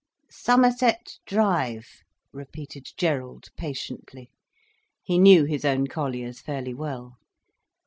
"Somerset Drive," repeated Gerald patiently. He knew his own colliers fairly well.